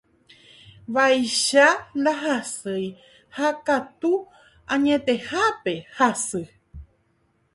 Vaicha ndahasýi ha katu añetehápe hasy.